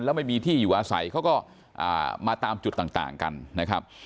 แล้วไม่มีที่อยู่อาศัยเขาก็มาตามจุดต่างกันนะครับ